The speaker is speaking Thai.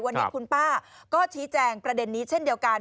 วันนี้คุณป้าก็ชี้แจงประเด็นนี้เช่นเดียวกัน